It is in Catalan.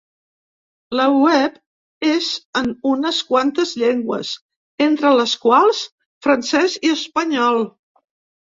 La web és en unes quantes llengües, entre les quals francès i espanyol.